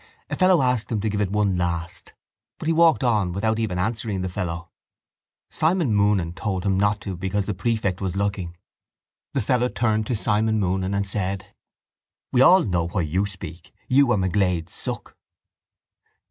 A fellow asked him to give it one last: but he walked on without even answering the fellow. Simon Moonan told him not to because the prefect was looking. The fellow turned to Simon Moonan and said: —We all know why you speak. You are McGlade's suck.